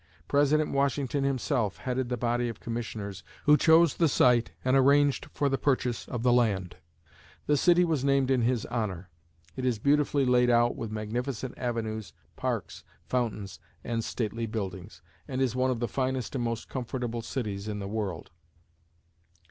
President Washington himself headed the body of commissioners who chose the site and arranged for the purchase of the land. The city was named in his honor. It is beautifully laid out with magnificent avenues, parks, fountains and stately buildings, and is one of the finest and most comfortable cities in the world.